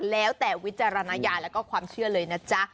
แล้วแต่วิจารณญาณแล้วก็ความเชื่อเลยนะจ๊ะ